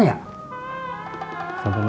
iya pak tuhari